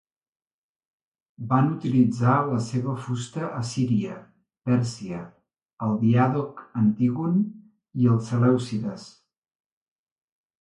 Van utilitzar la seva fusta Assíria, Pèrsia, el diàdoc Antígon i els selèucides.